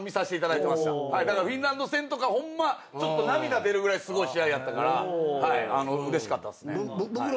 だからフィンランド戦とかホンマちょっと涙出るぐらいすごい試合やったからうれしかったっすね。